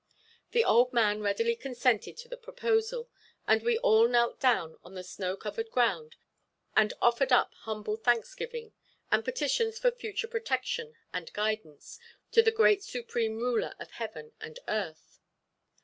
The old man readily consented to the proposal, and we all knelt down on the snow covered ground and offered up humble thanksgiving, and petitions for future protection and guidance, to the Great Supreme Ruler of heaven and earth.